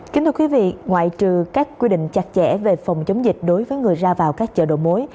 kính thưa quý vị ngoại trừ các quy định chặt chẽ về phòng chống dịch đối với người ra vào các chợ đầu mối